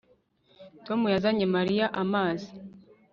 Tom yazanye Mariya amazi